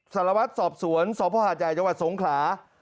สรวทสอบศวรสอบพ่อหัดใหญ่จังหวัดสงขลา